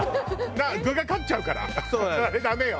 具が勝っちゃうからあれダメよ。